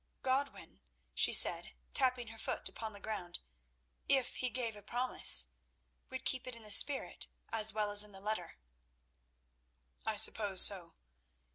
"Godwin," she said, tapping her foot upon the ground, "if he gave a promise, would keep it in the spirit as well as in the letter." "I suppose so.